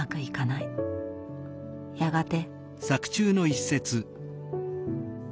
やがて。